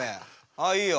ああいいよ。